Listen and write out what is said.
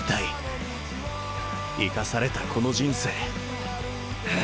生かされたこの人生。へへっ。